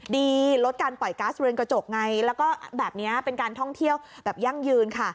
ลดการปล่อยก๊าซเรือนกระจกไงแล้วก็แบบนี้เป็นการท่องเที่ยวแบบยั่งยืนค่ะ